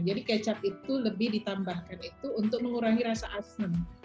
jadi kecap itu lebih ditambahkan itu untuk mengurangi rasa asam